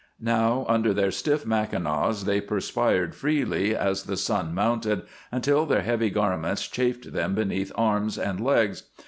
Now, under their stiff mackinaws they perspired freely as the sun mounted, until their heavy garments chafed them beneath arms and legs.